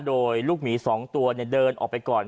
โดยลูกหมีสองตัวเนี่ยเดินออกไปก่อน